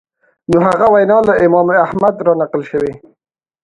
نو هغه وینا له امام احمد رانقل شوې